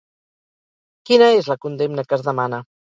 Quina és la condemna que es demana?